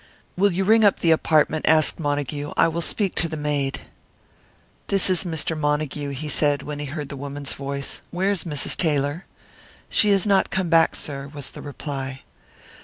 "Will you ring up the apartment?" asked Montague. "I will speak to the maid." "This is Mr. Montague," he said, when he heard the woman's voice. "Where is Mrs. Taylor?" "She has not come back, sir," was the reply.